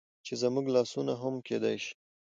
چې زموږ لاسونه هم کيدى شي